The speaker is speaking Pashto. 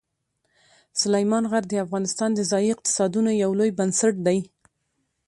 سلیمان غر د افغانستان د ځایي اقتصادونو یو لوی بنسټ دی.